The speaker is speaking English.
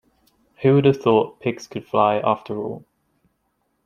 Who would have thought pigs could fly after all?